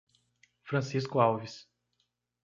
Francisco Alves